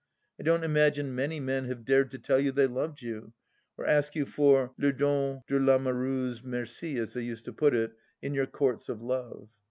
I don't imagine many men have dared to tell you they loved you, or ask you for le don de Vamoureuse merci, as they used to put it, in your Courts of Love.